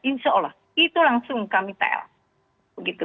insya allah itu langsung kami tel